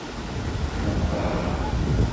Meqqreɣ.